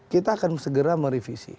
kita akan segera merevisi